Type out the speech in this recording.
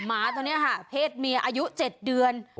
หมาตัวนี้ค่ะเพศเมียอายุ๗เดือน